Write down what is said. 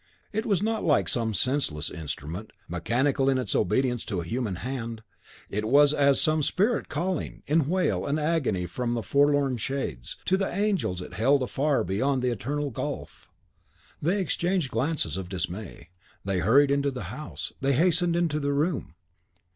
It was not like some senseless instrument, mechanical in its obedience to a human hand, it was as some spirit calling, in wail and agony from the forlorn shades, to the angels it beheld afar beyond the Eternal Gulf. They exchanged glances of dismay. They hurried into the house; they hastened into the room.